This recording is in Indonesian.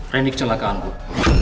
randy kecelakaan buk